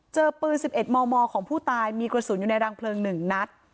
เจอปืนสิบเอ็ดมอมอของผู้ตายมีกระสุนอยู่ในรังเพลิงหนึ่งนัด